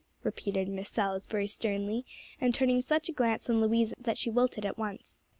_" repeated Miss Salisbury sternly, and turning such a glance on Louisa that she wilted at once.